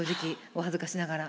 お恥ずかしながら。